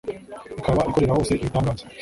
ikaba ikorera hose ibitangaza